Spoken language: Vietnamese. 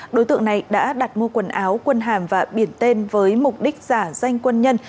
đối tượng này đã đặt mua quần áo quân hàm và biển tên với mục đích giả danh quân nhân